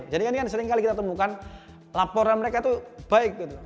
jadi ini kan seringkali kita temukan laporan mereka itu baik